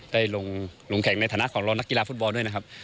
ได้ลงแข่งในฐานะของเรานักกีฬาฟุตบอลด้วยนะครับ